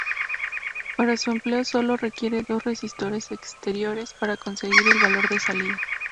Para su empleo solo requiere dos resistores exteriores para conseguir el valor de salida.